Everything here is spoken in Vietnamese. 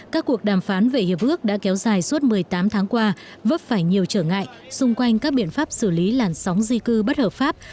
các cuộc đàm phán về hiệp ước đã kéo dài suốt một mươi tám tháng qua vấp phải nhiều trở ngại xung quanh các biện pháp xử lý làn sóng di cư bất hợp pháp